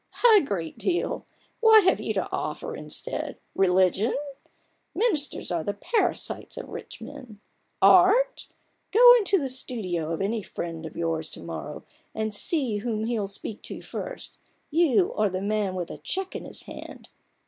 " A great deal ! what have you to offer instead ? Religion ? Ministers are the parasites of rich men. Art ? Go into the studio of any friend of yours to morrow, and see whom he'll speak to first — you, or the man with a cheque l6 A BOOK OF BARGAINS. in his hand.